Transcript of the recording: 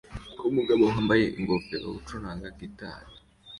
Umugabo wambaye ingofero acuranga gitari